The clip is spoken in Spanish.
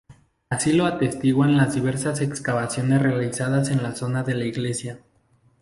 Así lo atestiguan las diversas excavaciones realizadas en la zona de la iglesia.